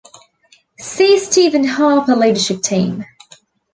See Stephen Harper Leadership Team.